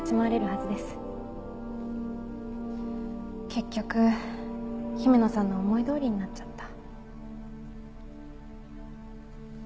結局姫野さんの思いどおりになっちゃった。